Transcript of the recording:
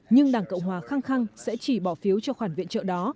nhưng đảng cộng hòa khăng khăng sẽ chỉ bỏ phiếu cho khoản viện trợ đó